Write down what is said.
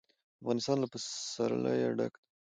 افغانستان له پسرلی ډک دی.